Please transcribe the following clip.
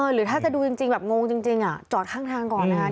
หรือถ้าจะดูจริงแบบงงจริงจอดข้างทางก่อนนะคะ